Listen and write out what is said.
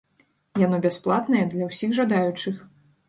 Яно бясплатнае для ўсіх жадаючых.